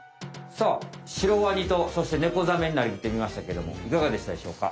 さあシロワニとそしてネコザメになりきってみましたけどもいかがでしたでしょうか？